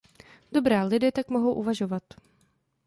Dobrá, lidé tak mohou uvažovat.